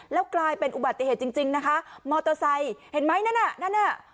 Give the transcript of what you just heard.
แล้วกลายเป็นอุบัติเหตุจริงจริงนะคะมอเตอร์ไซค์เห็นไหมนั่นน่ะนั่นน่ะ